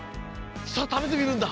さあ食べてみるんだ。